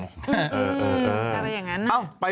อะไรอย่างนั้น